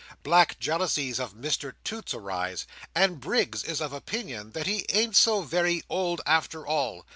Black jealousies of Mr Toots arise, and Briggs is of opinion that he ain't so very old after all.